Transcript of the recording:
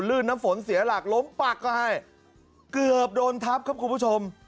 น้ำฝนเสียหลักล้มปักก็ให้เกือบโดนทับครับคุณผู้ชม